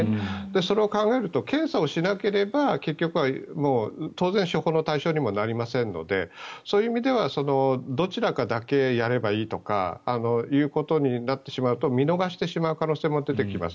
それを考えると検査をしなければ結局は当然、処方の対象にもなりませんのでそういう意味ではどちらかだけやればいいとかということになってしまうと見逃してしまう可能性も出てきます。